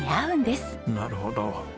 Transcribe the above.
なるほど。